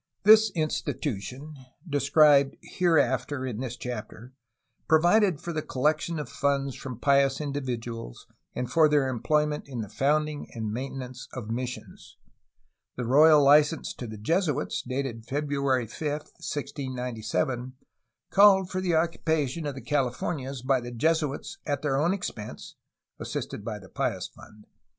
This institution (described hereafter in this chapter) provided for the collection of funds from pious individuals and for their employment in the founding and maintenance of missions. The royal license to the Jesuits, dated February 5, 1697, called for the occupation of the Californias by the Jesuits at their own expense (assisted by the Pious Fund).